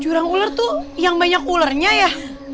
jurang ular tuh yang banyak ularnya ya